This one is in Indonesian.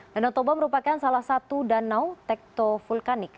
danau toba merupakan salah satu danau tekto vulkanik